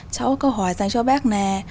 cháu có câu hỏi dành cho bác nè